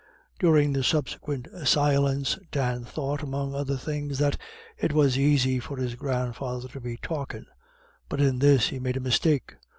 During the subsequent silence Dan thought, among other things, that it was "aisy for his grandfather to be talkin';" but in this he made a mistake.